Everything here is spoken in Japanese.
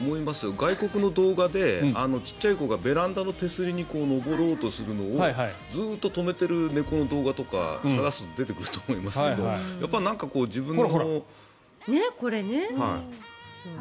外国の動画でちっちゃい子がベランダの手すりに上ろうとするのをずっと止めてる猫の動画とかが探すと出てくると思いますけどなんか自分の。